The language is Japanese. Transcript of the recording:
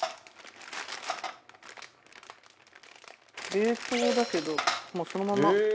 冷凍だけどそのまま。